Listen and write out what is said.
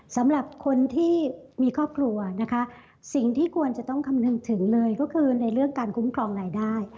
สำหรับคนที่มีครอบครัวนะคะสิ่งที่ควรจะต้องคำนึงถึงเลยก็คือในเรื่องการคุ้มครองรายได้